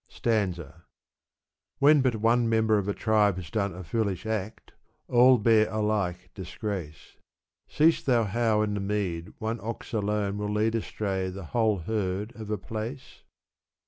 Stanza. When but one member of a tribe has done A foolish act, all bear alike disgrace, Seest thou how in the mead one ox alone Will lead astray the whole herd of a pla^e?